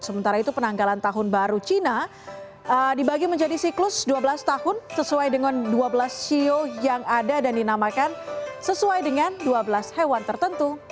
sementara itu penanggalan tahun baru cina dibagi menjadi siklus dua belas tahun sesuai dengan dua belas sio yang ada dan dinamakan sesuai dengan dua belas hewan tertentu